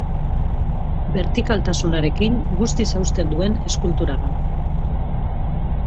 Bertikaltasunarekin guztiz hausten duen eskultura da.